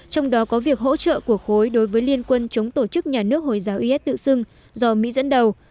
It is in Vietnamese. trong đó có việc hỗ trợ của khối đối với liên quân chống tổ chức nhà nước hồi giáo is tự xưng do mỹ dẫn đầu